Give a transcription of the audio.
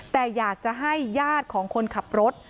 แต่อยากจะให้ญาติของคนขับรถ